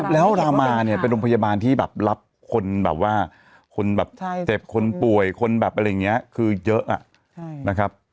แล้วรามาเนี่ยเป็นโรงพยาบาลที่แบบรับคนแบบว่าคนแบบเจ็บคนป่วยคนแบบอะไรอย่างนี้คือเยอะนะครับ